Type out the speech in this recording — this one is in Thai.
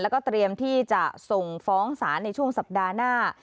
แล้วก็เตรียมที่จะส่งฟ้องศาลในช่วงสัปดาห์หน้า